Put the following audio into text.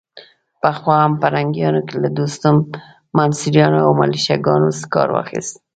پخوا هم پرنګیانو له دوستم، منصوریانو او ملیشه ګانو کار واخيست.